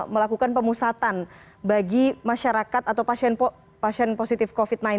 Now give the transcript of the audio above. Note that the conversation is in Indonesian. melakukan pemusatan bagi masyarakat atau pasien positif covid sembilan belas